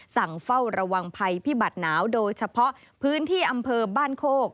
เฝ้าระวังภัยพิบัติหนาวโดยเฉพาะพื้นที่อำเภอบ้านโคก